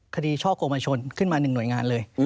คดีช่อกรงประชนขึ้นมาหนึ่งหน่วยงานเลย